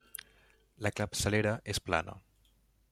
La capçalera és plana.